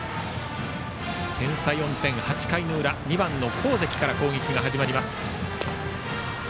点差４点、８回の裏は２番の河関から攻撃が始まります。